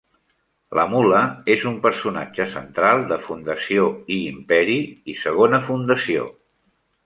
La mula és un personatge central de "Fundació i Imperi" i "Segona Fundació".